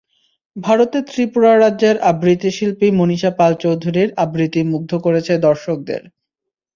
ভারতের ত্রিপুরা রাজ্যের আবৃত্তিশিল্পী মনীষা পাল চৌধুরীর আবৃত্তি মুগ্ধ করেছে দর্শকদের।